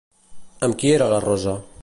Amb qui era la Rosa?